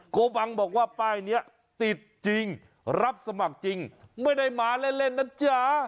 โกบังบอกว่าป้ายนี้ติดจริงรับสมัครจริงไม่ได้มาเล่นนะจ๊ะ